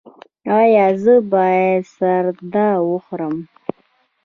ایا زه باید سردا وخورم؟